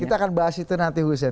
kita akan bahas itu nanti hussein